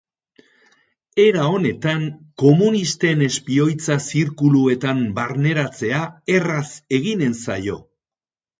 Era honetan, komunisten espioitza zirkuluetan barneratzea erraz eginen zaio.